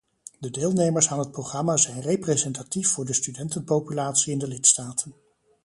De deelnemers aan het programma zijn representatief voor de studentenpopulatie in de lidstaten.